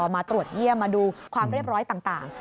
มาตรวจเยี่ยมมาดูความเรียบร้อยต่าง